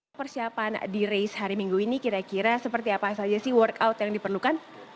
apa persiapan di race hari minggu ini kira kira seperti apa saja sih workout yang diperlukan